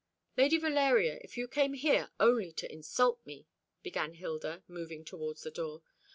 "Lady Valeria, if you came here only to insult me " began Hilda, moving towards the door.